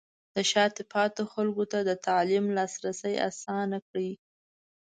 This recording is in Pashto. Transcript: د شاته پاتې خلکو ته د تعلیم لاسرسی اسانه کړئ.